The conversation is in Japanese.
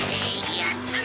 やったな！